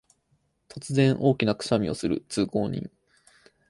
突然、大きなくしゃみをする通行人